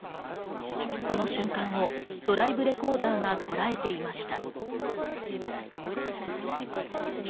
その瞬間をドライブレコーダーがとらえていました。